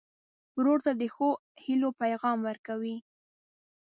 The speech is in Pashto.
ورور ته د ښو هيلو پیغام ورکوې.